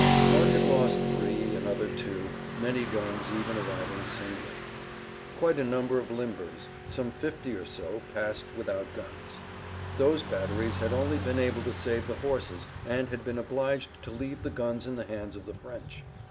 One had lost three, another two; many guns even arriving singly. Quite a number of limbers, some 50 or so, passed without guns. Those batteries had only been able to save the horses and had been obliged to leave the guns in the hands of the French.